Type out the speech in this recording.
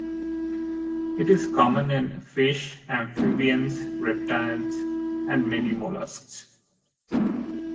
It is common in fish, amphibians, reptiles, and many molluscs.